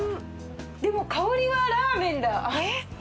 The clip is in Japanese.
でも香りはラーメンだ。